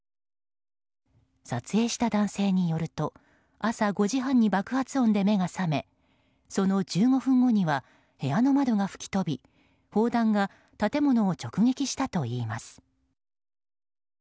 撮影した男性によると朝５時半に爆発音で目が覚めその１５分後には部屋の窓が吹き飛び砲弾が建物を直撃したといいます。